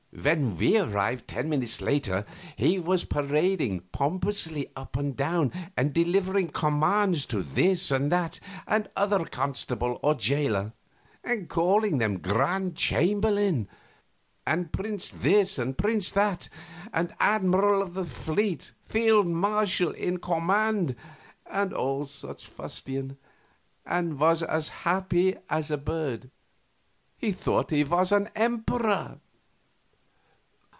When we arrived, ten minutes later, he was parading pompously up and down and delivering commands to this and that and the other constable or jailer, and calling them Grand Chamberlain, and Prince This and Prince That, and Admiral of the Fleet, Field Marshal in Command, and all such fustian, and was as happy as a bird. He thought he was Emperor!